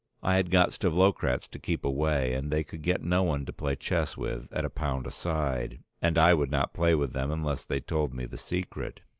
I had got Stavlokratz to keep away, and they could get no one to play chess with at a pound a side, and I would not play with them unless they told me the secret.